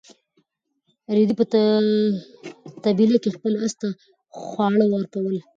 رېدي په طبیله کې خپل اس ته خواړه ورکول.